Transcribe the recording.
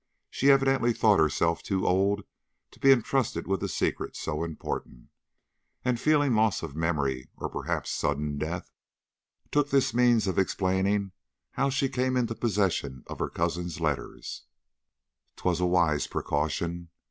She evidently thought herself too old to be entrusted with a secret so important, and, fearing loss of memory, or perhaps sudden death, took this means of explaining how she came into possession of her cousin's letters. 'T was a wise precaution.